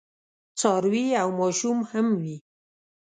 څاروي او ماشوم هم وي.